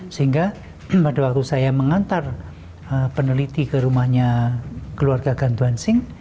sehingga pada waktu saya mengantar peneliti ke rumahnya keluarga gantuan sing